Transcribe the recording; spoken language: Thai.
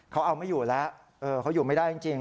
เขาเอาไม่อยู่แล้วเขาอยู่ไม่ได้จริง